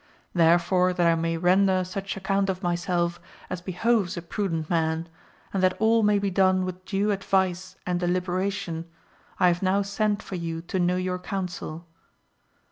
Therefore that I may render such account of myself, as behoves a prudent man, and that all may be done with due advice and deliberation, I. have now sent for you to know your counsel.